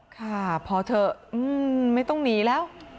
ค่ะพอเถอะไม่ต้องหนีแล้ว